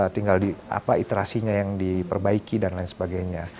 tinggal di apa iterasinya yang diperbaiki dan lain sebagainya